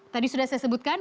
tadi sudah saya sebutkan